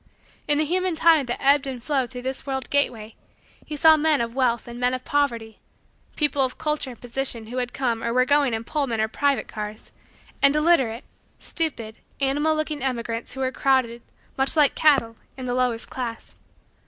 In the human tide that ebbed and flowed through this world gateway, he saw men of wealth and men of poverty people of culture and position who had come or were going in Pullman or private cars and illiterate, stupid, animal looking, emigrants who were crowded, much like cattle, in the lowest class.